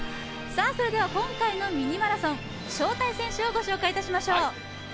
それでは今回のミニマラソン、招待選手をご紹介いたしましょう。